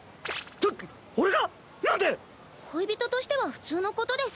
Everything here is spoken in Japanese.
だっ俺が⁉なんで⁉恋人としては普通のことです。